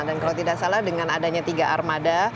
dan kalau tidak salah dengan adanya tiga armada